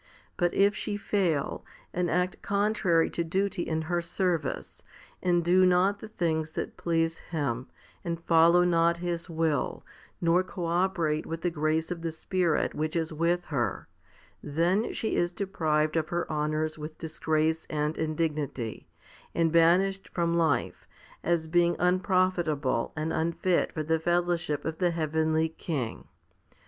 But if she fail, and act contrary to duty in her service, and do not the things that please Him, and follow not His will, nor co operate with the grace of the Spirit which is with her, then she is deprived of her honours with disgrace and indignity, and banished from life, as being unprofitable and unfit for the fellowship of the heavenly King.